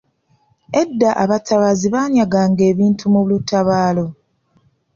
Edda abatabaazi banyaganga ebintu mu lutabaalo.